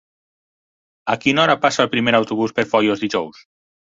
A quina hora passa el primer autobús per Foios dijous?